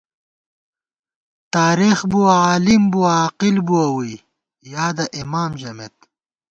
تارېخ بُوَہ، عالم بُوَہ، عاقل بُوَہ ووئی، یادَہ اېمام ژَمېت